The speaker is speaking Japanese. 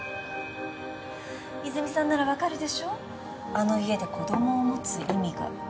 泉さんなら分かるでしょあの家で子供を持つ意味が。